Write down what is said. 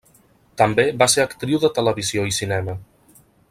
També va ser actriu de televisió i cinema.